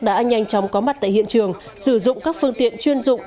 đã nhanh chóng có mặt tại hiện trường sử dụng các phương tiện chuyên dụng